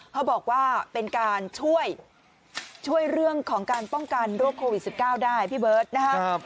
เขาบอกว่าเป็นการช่วยเรื่องของการป้องกันโรคโควิด๑๙ได้พี่เบิร์ตนะครับ